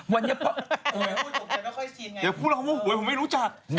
วันเยอะพออย่าพูดหัวผมไม่รู้จัก